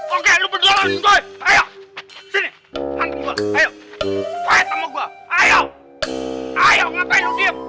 oke lu berdua lanin gue